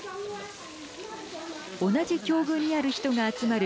同じ境遇にある人が集まる